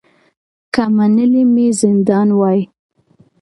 که منلی مي زندان وای